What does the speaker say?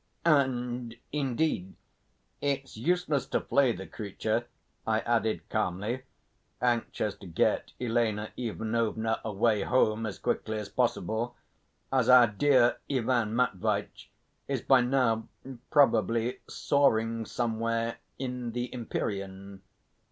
"And, indeed, it's useless to flay the creature," I added calmly, anxious to get Elena Ivanovna away home as quickly as possible, "as our dear Ivan Matveitch is by now probably soaring somewhere in the empyrean."